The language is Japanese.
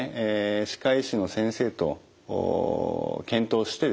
歯科医師の先生と検討してですね